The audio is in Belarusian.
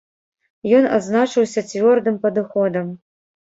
Ён адзначыўся цвёрдым падыходам.